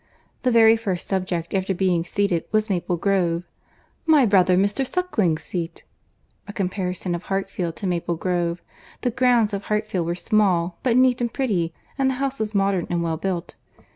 The very first subject after being seated was Maple Grove, "My brother Mr. Suckling's seat;"—a comparison of Hartfield to Maple Grove. The grounds of Hartfield were small, but neat and pretty; and the house was modern and well built.